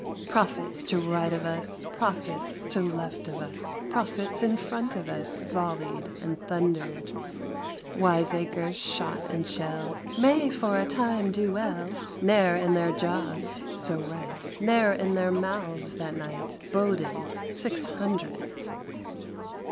Prophets to right of us. Prophets to left of us. Prophets in front of us, Volleyed and thundered ! Wiseacre shot and shell. " May, for a time do well !" Ne'er, in their jaws (so right !) Ne'er in their mouths that night Boded Six Hundred.